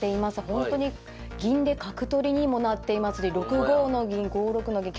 ほんとに銀で角取りにもなっていますし６五の銀５六の銀